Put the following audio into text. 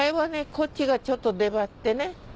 こっちがちょっと出張ってね